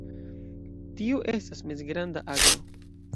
Tiu estas mezgranda aglo.